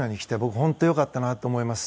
本当に良かったなと思います。